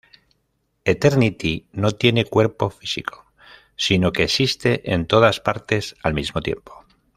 Eternity no tiene cuerpo físico, sino que existe en todas partes al mismo tiempo.